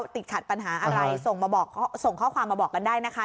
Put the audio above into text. ติดขัดปัญหาอะไรส่งมาบอกส่งข้อความมาบอกกันได้นะคะ